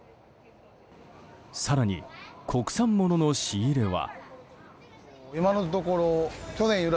更に、国産物の仕入れは。